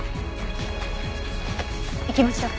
行きましょう。